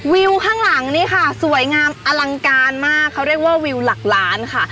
วิวข้างหลังนี่ค่ะสวยงามอลังการมากเขาเรียกว่าวิวหลักล้านค่ะ